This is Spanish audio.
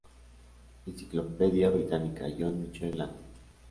Enciclopedia Britannica; John Michael Landy.